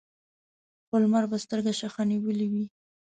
خو لمر به سترګه شخه نیولې وي.